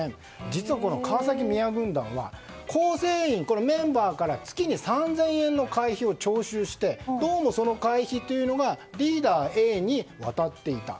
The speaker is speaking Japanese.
実は川崎宮軍団は構成員、メンバーから月に３０００円の会費を徴収してその会費というのがリーダーＡに渡っていた。